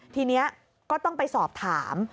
ทีนี้ก็ต้องไปสอบถาม